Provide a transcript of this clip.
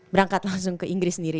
berangkat langsung ke inggris sendiri